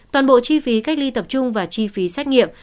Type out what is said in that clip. toàn bộ chi phí cách ly tập trung và chi phí xét nghiệm